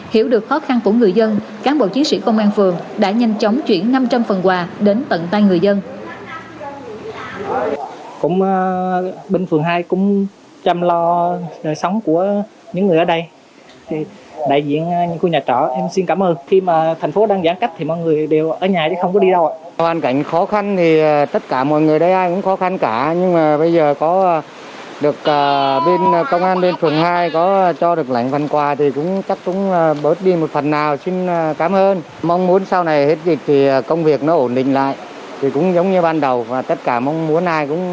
hiểu được khó khăn của người dân cán bộ chiến sĩ công an phường đã nhanh chóng chuyển năm trăm linh phần quà đến tận tay người dân